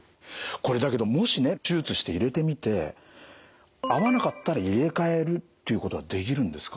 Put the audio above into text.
これだけどもしね手術して入れてみて合わなかったら入れ替えるっていうことはできるんですか？